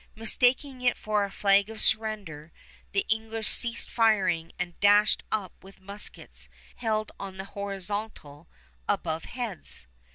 Mistaking it for a flag of surrender, the English ceased firing and dashed up with muskets held on the horizontal above heads.